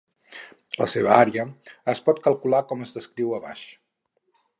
La seva àrea es pot calcular com es descriu a baix.